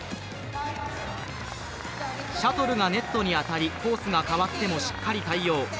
シャトルがネットに当たり、コースが変わってもしっかり対応。